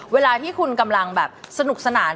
เวลาที่คุณกำลังแบบสนุกสนาน